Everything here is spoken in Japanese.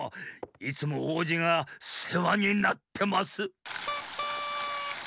いつもおうじがせわになってます。